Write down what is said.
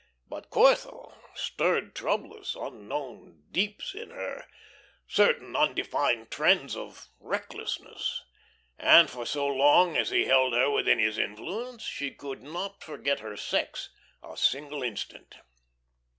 But Corthell stirred troublous, unknown deeps in her, certain undefined trends of recklessness; and for so long as he held her within his influence, she could not forget her sex a single instant.